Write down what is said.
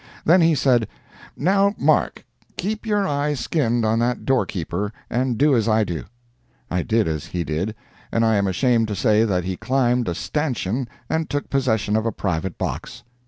Then he said, "Now, Mark, keep your eye skinned on that doorkeeper, and do as I do." I did as he did, and I am ashamed to say that he climbed a stanchion and took possession of a private box.